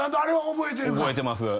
覚えてます。